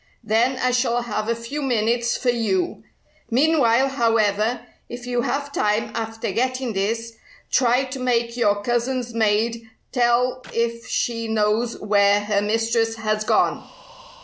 Then I shall have a few minutes for you. Meanwhile, however, if you have time after getting this, try to make your cousin's maid tell if she knows where her mistress has gone.